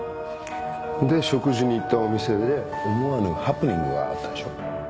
で食事に行ったお店で思わぬハプニングがあったでしょ？